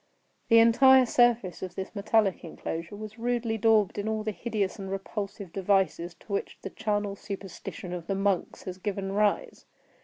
The entire surface of this metallic enclosure was rudely daubed in all the hideous and repulsive devices to which the charnel superstition of the monks has given rise.